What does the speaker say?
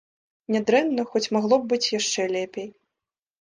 Нядрэнна, хоць магло б быць яшчэ лепей.